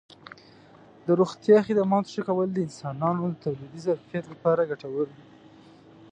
د روغتیا خدماتو ښه کول د انسانانو د تولیدي ظرفیت لپاره ګټور دي.